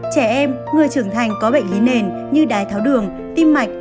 trẻ em người trưởng thành có bệnh lý nền như đái tháo đường tim mạch